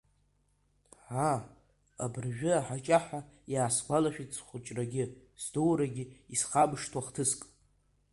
Аа, абыржәы аҳаҷаҳәа иаасгәалашәеит, схәыҷрагьы сдурагьы исхамышҭуа хҭыск.